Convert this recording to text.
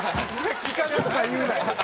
企画とか言うなよ。